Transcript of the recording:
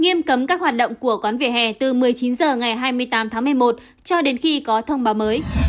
nghiêm cấm các hoạt động của quán vỉa hè từ một mươi chín h ngày hai mươi tám tháng một mươi một cho đến khi có thông báo mới